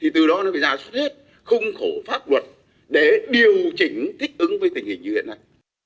thì từ đó nó phải ra suốt hết khung khổ pháp luật để điều chỉnh thích ứng với tình hình như hiện nay